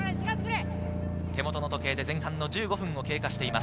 手元の時計で前半１５分を経過しています。